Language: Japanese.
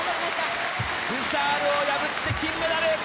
ブシャールを破って金メダル。